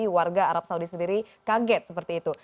warga arab saudi sendiri kaget seperti itu